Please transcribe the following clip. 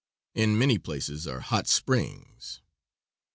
In many places are hot springs.